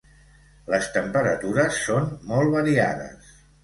Les temperatures són molt variades.